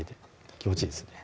気持ちいいですね